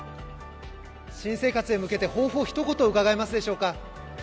新生活へ向けて、抱負をひと言うかがえますでしょうか